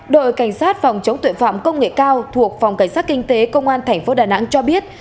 đội cảnh sát phòng chống tuệ phạm công nghệ cao thuộc phòng cảnh sát kinh tế công an thành phố đà nẵng cho biết